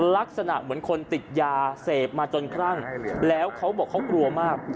ลักษณะเหมือนคนติดยาเสพมาจนครั่งแล้วเขาบอกเขากลัวมาก